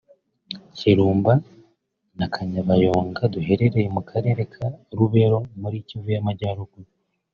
Kirumba na Kanyabayonga duherereye mu karere ka Lubero muri Kivu y’Amajyaruguru